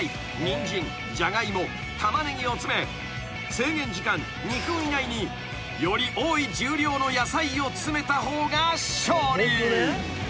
［制限時間２分以内により多い重量の野菜を詰めた方が勝利］